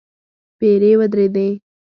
پيرې ودرېدې.